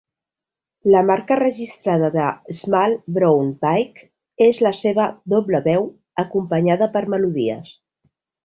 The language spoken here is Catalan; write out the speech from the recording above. La marca registrada de Small Brown Bike és la seva "doble veu" acompanyada per melodies.